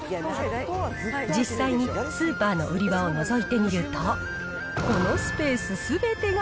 実際にスーパーの売り場をのぞいてみると、このスペースすべてが